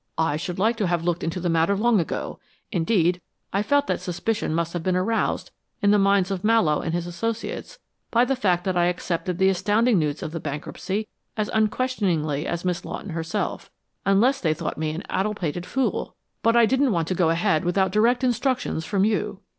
"I should like to have looked into the matter long ago indeed, I felt that suspicion must have been aroused in the minds of Mallowe and his associates by the fact that I accepted the astounding news of the bankruptcy as unquestioningly as Miss Lawton herself, unless they thought me an addlepated fool but I didn't want to go ahead without direct instructions from you."